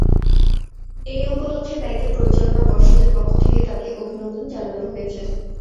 এ উপলক্ষে ব্যাংকের পরিচালনা পর্ষদের পক্ষ থেকে তাঁকে অভিনন্দন জানানো হয়েছে।